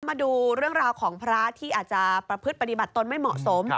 มาดูเรื่องราวของพระที่อาจจะประพฤติปฏิบัติตนไม่เหมาะสม